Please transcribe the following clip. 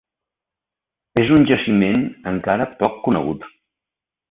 És un jaciment encara poc conegut.